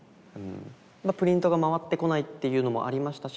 まあプリントが回ってこないっていうのもありましたし。